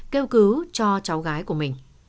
kêu cứu cho cháu gái của mình